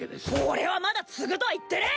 俺はまだ継ぐとは言ってねえ！